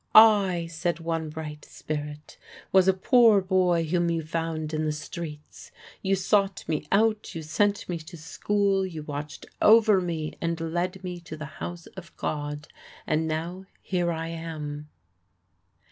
"I," said one bright spirit, "was a poor boy whom you found in the streets: you sought me out, you sent me to school, you watched over me, and led me to the house of God; and now here I am."